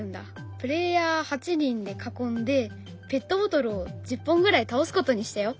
プレーヤー８人で囲んでペットボトルを１０本ぐらい倒すことにしたよ。